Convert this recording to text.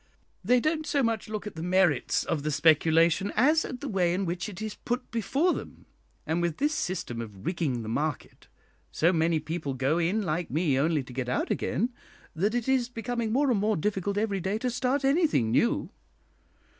They don't so much look at the merits of the speculation as at the way in which it is put before them; and with this system of rigging the market, so many people go in like me only to get out again, that it is becoming more and more difficult every day to start anything new.